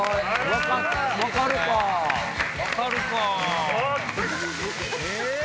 分かるかぁ。